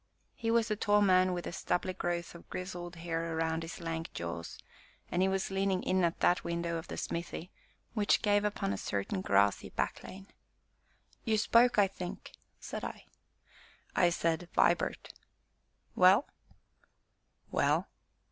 He was a tall man with a stubbly growth of grizzled hair about his lank jaws, and he was leaning in at that window of the smithy which gave upon a certain grassy back lane. "You spoke, I think!" said I. "I said, 'Vibart'!" "Well?" "Well?"